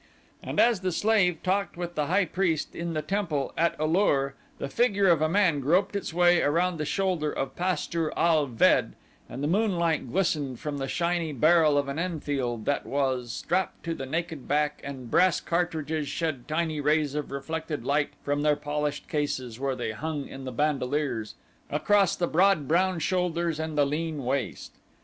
And as the slave talked with the high priest in the temple at A lur the figure of a man groped its way around the shoulder of Pastar ul ved and the moonlight glistened from the shiny barrel of an Enfield that was strapped to the naked back, and brass cartridges shed tiny rays of reflected light from their polished cases where they hung in the bandoliers across the broad brown shoulders and the lean waist.